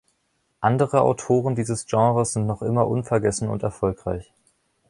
Andere Autoren dieses Genres sind noch immer unvergessen und erfolgreich.